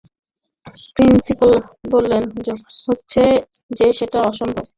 Principal, বলতেই হচ্ছে যে সেটা অসম্ভব।